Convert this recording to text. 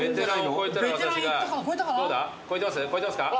超えてますか？